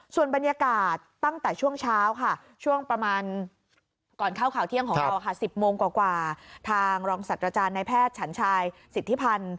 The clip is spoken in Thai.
ส่วนบรรยากาศตั้งแต่ช่วงเช้าค่ะช่วงประมาณก่อนเข้าข่าวเที่ยงของเราค่ะ๑๐โมงกว่าทางรองศัตว์อาจารย์ในแพทย์ฉันชายสิทธิพันธ์